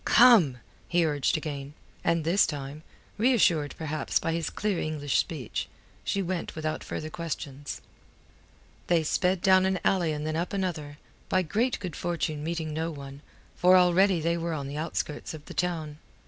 "Come," he urged again. And this time, reassured perhaps by his clear English speech, she went without further questions. They sped down an alley and then up another, by great good fortune meeting no one, for already they were on the outskirts of the town.